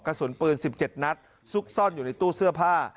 กระสุนปืน๑๗นัดซุกซ่อนอยู่ในตู้เสื้อผ้า